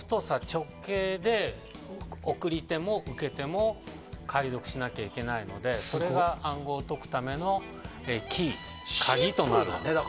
直径で送り手も受け手も解読しなきゃいけないのでそれが、暗号を解くためのキー、鍵となるわけですね。